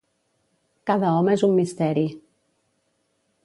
Cada home és un misteri.